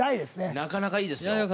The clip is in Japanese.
なかなか、いいですよ。